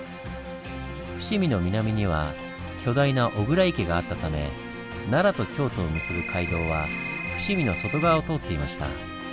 伏見の南には巨大な巨椋池があったため奈良と京都を結ぶ街道は伏見の外側を通っていました。